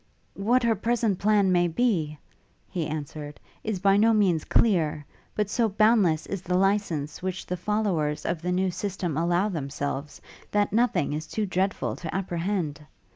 'What her present plan may be,' he answered, 'is by no means clear; but so boundless is the licence which the followers of the new systems allow themselves, that nothing is too dreadful to apprehend.